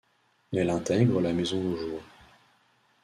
Elle intègre la maison au jour.